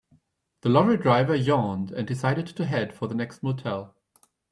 The lorry driver yawned and decided to head for the next motel.